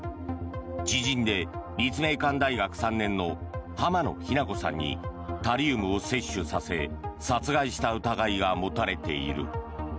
知人で立命館大学３年の浜野日菜子さんにタリウムを摂取させ殺害した疑いが持たれている。